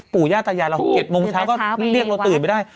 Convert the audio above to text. ปู่ย่าตายายเรา๗โมงเช้าก็เรียกเราตื่นไปได้